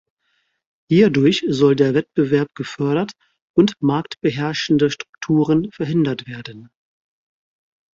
Hierdurch soll der Wettbewerb gefördert und marktbeherrschende Strukturen verhindert werden.